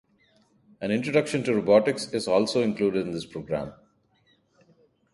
An introduction to robotics is also included in this program.